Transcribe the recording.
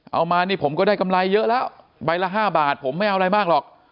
มานี่ผมก็ได้กำไรเยอะแล้วใบละ๕บาทผมไม่เอาอะไรมากหรอก